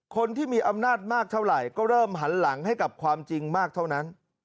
คนที่มีอำนาจมากเท่าไหร่ก็เริ่มหันหลังให้กับความจริงมากเท่านั้น